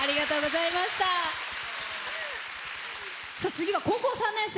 次は高校３年生。